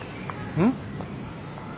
うん？